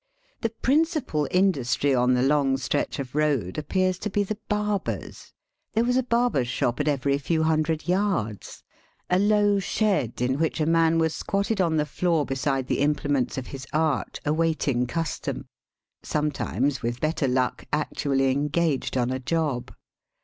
The principal industry on the long stretch of road appears to be the barbers'. There was a barber's shop at every few hundred yards, a low shed, in which a man was squatted on the floor beside the imple ments of his art awaiting custom — sometimes, with better luck, actually engaged on a job.